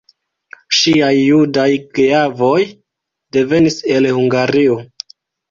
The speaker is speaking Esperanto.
Ŝiaj judaj geavoj devenis el Hungario.